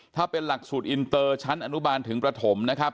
ถ้าเป็นหลักสูตรอินเตอร์ชั้นอนุบาลถึงประถมนะครับ